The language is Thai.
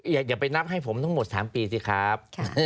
อย่าไปนับให้ผมทั้งหมด๓ปีสิครับ